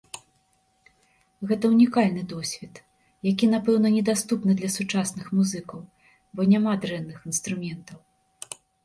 Гэта ўнікальны досвед, які, напэўна, недаступны для сучасных музыкаў, бо няма дрэнных інструментаў.